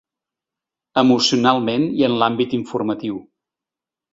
Emocionalment i en l’àmbit informatiu.